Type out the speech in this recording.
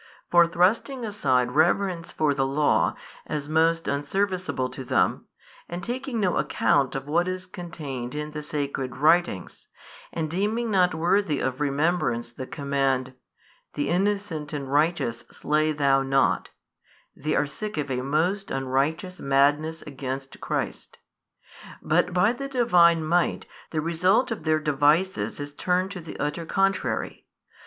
For thrusting aside reverence for the law, as most unserviceable to them, and taking no account of what is contained in the Sacred Writings, and deeming not worthy of remembrance the command, The innocent and righteous slay thou not, they are sick of a most unrighteous madness against Christ. But by the Divine Might the result of their devices is turned to the utter contrary.